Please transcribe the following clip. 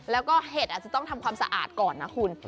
แล้วก็เห็ดอาจจะต้องทำความสะอาดก่อนนะคุณ